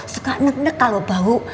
suka net nek kalau bau